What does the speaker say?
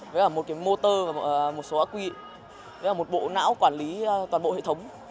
với một cái motor và một số ác quy với một bộ não quản lý toàn bộ hệ thống